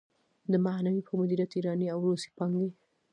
د معنوي په مديريت ايراني او روسي پانګې.